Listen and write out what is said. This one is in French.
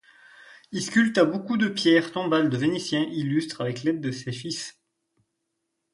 Il sculpta beaucoup de pierres tombales de Vénitiens illustres avec l'aide de ses fils.